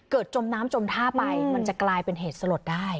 จมน้ำจมท่าไปมันจะกลายเป็นเหตุสลดได้